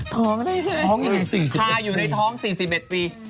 ท้องอะไรท้องจะอยู่ในท้อง๔๑มี